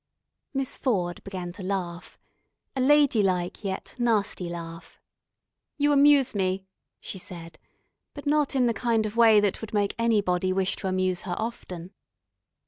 Miss Ford began to laugh, a ladylike yet nasty laugh. "You amuse me," she said, but not in the kind of way that would make anybody wish to amuse her often.